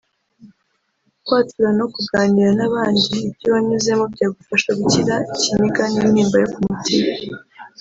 kwatura no kuganira n’abandi ibyo wanyuzemo byagufasha gukira ikiniga n’intimba yo ku mutima